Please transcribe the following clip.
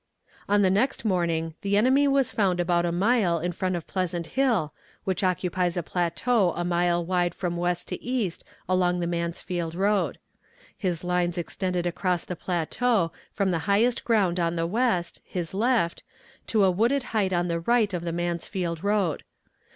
On the next morning the enemy was found about a mile in front of Pleasant Hill, which occupies a plateau a mile wide from west to east along the Mansfield road. His lines extended across the plateau from the highest ground on the west, his left, to a wooded height on the right of the Mansfield road.